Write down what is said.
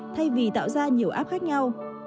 thay vì tạo ra nhiều áp khác nhau